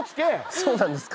そうなんですか？